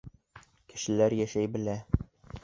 Кешеләр йәшәй белә.